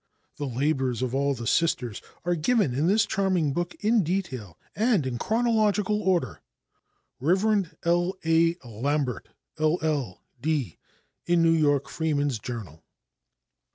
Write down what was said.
The labors of all the Sisters are given in this charming book in detail and in chronological order. Rev. L. A. Lambert, LL. D., in New York Freeman's Journal.